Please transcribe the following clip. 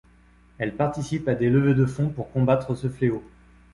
Elle participe à des levées de fonds pour combattre ce fléau.